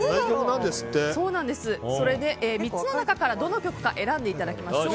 ３つの中からどの曲か選んでいただきましょう。